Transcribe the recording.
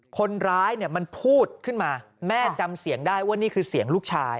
คนร้ายเนี่ยมันพูดขึ้นมาแม่จำเสียงได้ว่านี่คือเสียงลูกชาย